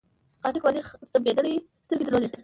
خاټک وازې ځمبېدلې سترګې درلودې.